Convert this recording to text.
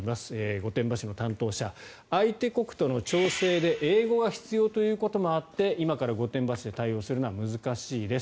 御殿場市の担当者相手国との調整で英語が必要ということもあって今から御殿場市で対応するのは難しいです。